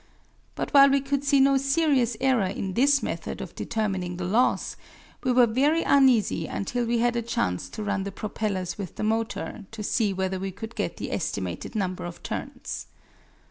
But while we could see no serious error in this method of determining the loss, we were very uneasy until we had a chance to run the propellers with the motor to see whether we could get the estimated number of turns.